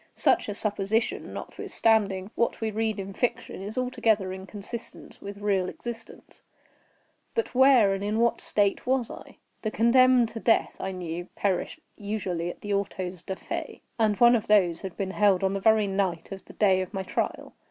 Such a supposition, notwithstanding what we read in fiction, is altogether inconsistent with real existence;—but where and in what state was I? The condemned to death, I knew, perished usually at the autos da fe, and one of these had been held on the very night of the day of my trial.